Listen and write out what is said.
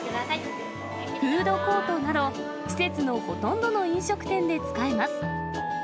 フードコートなど、施設のほとんどの飲食店で使えます。